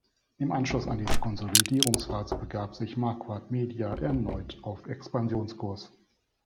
Im Anschluss an diese Konsolidierungsphase begab sich Marquard Media erneut auf Expansionskurs.